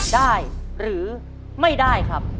ได้หรือไม่ได้ครับ